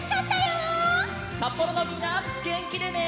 さっぽろのみんなげんきでね！